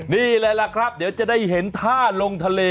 นี่เลยล่ะครับเดี๋ยวจะได้เห็นท่าลงทะเล